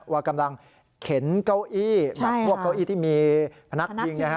ว่ากำลังเข็นเก้าอี้แบบพวกเก้าอี้ที่มีพนักยิง